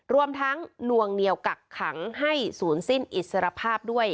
รวมทั้งนวงเหนียวกักขังให้ศูนย์สิ้นอิสรภาพด้วย